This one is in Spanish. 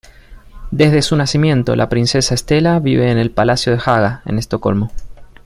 Desde su nacimiento la princesa Estela vive en el Palacio de Haga en Estocolmo.